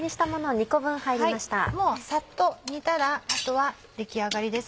サッと煮たらあとは出来上がりです